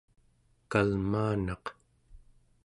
kalmaanaq